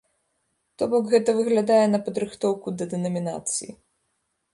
То бок, гэта выглядае на падрыхтоўку да дэнамінацыі.